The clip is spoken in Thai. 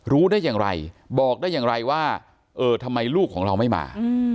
รู้ได้อย่างไรบอกได้อย่างไรว่าเออทำไมลูกของเราไม่มา